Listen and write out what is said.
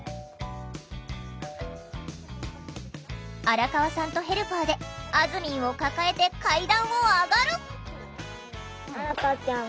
荒川さんとヘルパーであずみんを抱えて階段を上がる！